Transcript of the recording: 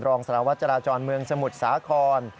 รองสารวัตรจราจรเมืองสมุทรสาคร